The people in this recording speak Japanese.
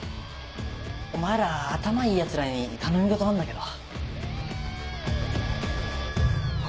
お前ら頭いいヤツらに頼み事あんだけど。